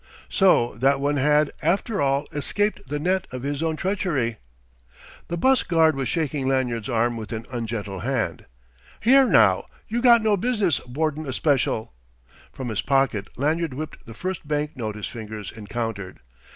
So that one had, after all, escaped the net of his own treachery! The 'bus guard was shaking Lanyard's arm with an ungentle hand. "Here, now, you got no business boardin' a Special." From his pocket Lanyard whipped the first bank note his fingers encountered.